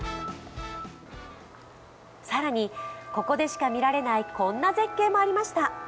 更に、ここでしか見られないこんな絶景もありました。